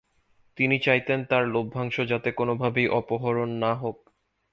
তিনি চাইতেন, তার লভ্যাংশ যাতে কোনভাবেই অপহরণ না হোক।